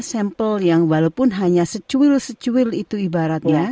sampel yang walaupun hanya secuil secuil itu ibaratnya